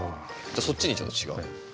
そっちにちょっと違うのを。